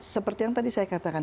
seperti yang tadi saya katakan